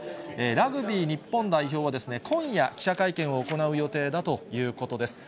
ラグビー日本代表は今夜、記者会見を行う予定だということです。